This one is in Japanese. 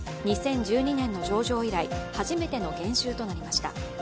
２０１２年の上場以来、初めての減収となりました。